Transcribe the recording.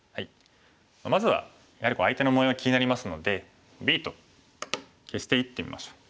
まずはやはり相手の模様が気になりますのでＢと消していってみましょう。